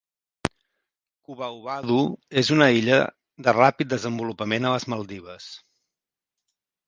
Kudahuvadhoo és una illa de ràpid desenvolupament a les Maldives.